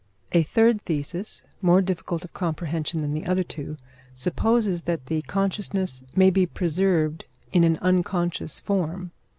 A third thesis, more difficult of comprehension than the other two, supposes that the consciousness may be preserved in an unconscious form.